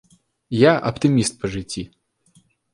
Я аптыміст па жыцці!